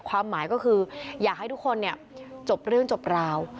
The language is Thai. ความหมายก็คืออยากให้ทุกคนเนี่ยจบเรื่องจบราว